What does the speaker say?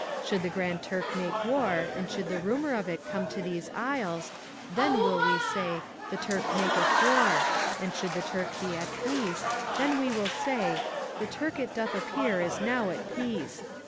Should the Grand Turk make war and should the rumour of it come to these isles, then will we say 'The Turk maketh war,' and should the Turk be at peace, then we will say 'The Turk it doth appear is now at peace.'